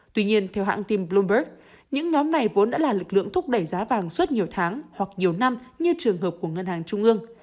tuy nhiên theo hãng tin bloomberg những nhóm này vốn đã là lực lượng thúc đẩy giá vàng suốt nhiều tháng hoặc nhiều năm như trường hợp của ngân hàng trung ương